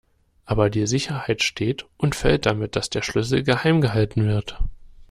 Aber die Sicherheit steht und fällt damit, dass der Schlüssel geheim gehalten wird.